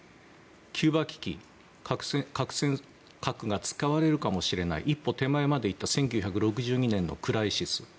キューバ危機核が使われるかもしれない一歩手前までいった１９６２年のクライシス。